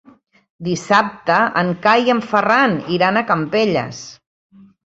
Dissabte en Cai i en Ferran iran a Campelles.